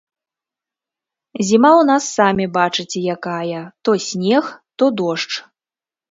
Зіма ў нас самі бачыце якая, то снег, то дождж.